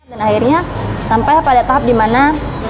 dan akhirnya sampai pada tahap dimana